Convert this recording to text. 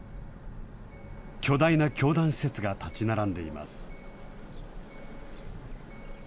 巨大な教団施設が建ち並んでいます。